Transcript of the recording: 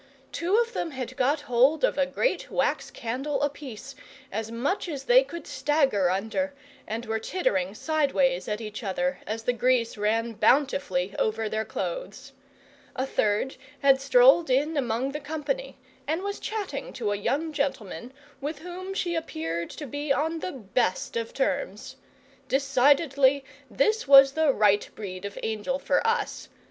Two of them had got hold of a great wax candle apiece, as much as they could stagger under, and were tittering sideways at each other as the grease ran bountifully over their clothes. A third had strolled in among the company, and was chatting to a young gentleman, with whom she appeared to be on the best of terms. Decidedly, this was the right breed of angel for us.